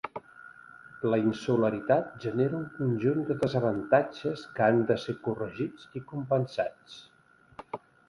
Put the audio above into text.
La insularitat genera un conjunt de desavantatges que han de ser corregits i compensats.